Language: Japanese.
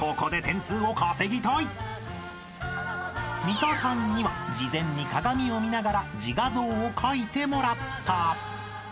［三田さんには事前に鏡を見ながら自画像を描いてもらった］